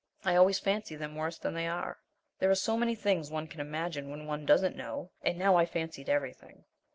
I always fancy them worse than they are. There are so many things one can imagine when one doesn't KNOW, and now I fancied everything.